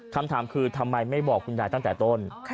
คำถามคือทำไมไม่บอกคุณยายตั้งแต่ต้น